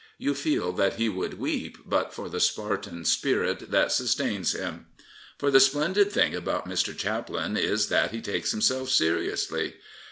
You feel that he would weep but for the Spartan spirit that sustains him. For the splendid thing about Mr. Chaplin is that he takes himself seriously.